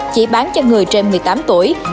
chỉ bán cho người trên một mươi tám tuổi